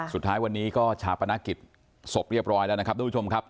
สุดท้ายวันนี้ก็ชาปนาศักดิ์กิจสบเรียบร้อยแล้วนะครับ